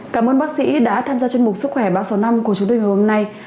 cảm ơn bác sĩ đã tham gia chương mục sức khỏe ba trăm sáu mươi năm của chúng tôi ngày hôm nay